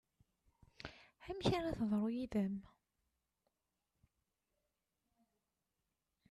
Amek ara teḍru yid-m?